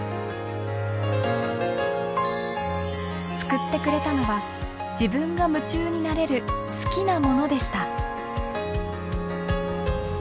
救ってくれたのは自分が夢中になれる好きなものでした。